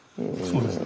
そうです。